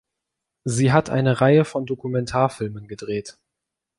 Sie hat eine Reihe von Dokumentarfilmen gedreht.